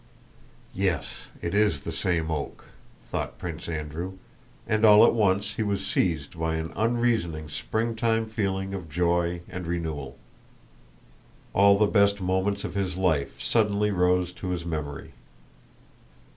"Yes, it is the same oak," thought Prince Andrew, and all at once he was seized by an unreasoning springtime feeling of joy and renewal. All the best moments of his life suddenly rose to his memory.